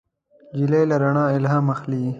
نجلۍ له رڼا الهام اخلي.